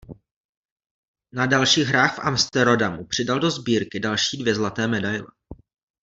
Na dalších hrách v Amsterodamu přidal do sbírky další dvě zlaté medaile.